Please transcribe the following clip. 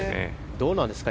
どうなんですか？